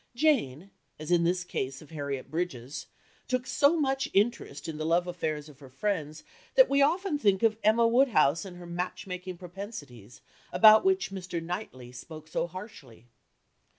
Jane, as in this case of Harriet Bridges, took so much interest in the love affairs of her friends that we often think of Emma Woodhouse and her match making propensities, about which Mr. Knightley spoke so harshly.